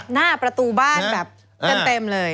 หน้าประตูบ้านแบบเต็มเลย